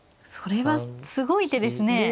それはすごい手ですね。